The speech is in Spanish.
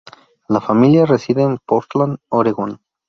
La familia reside en Portland, Oregón.